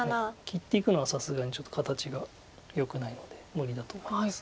切っていくのはさすがにちょっと形がよくないので無理だと思います。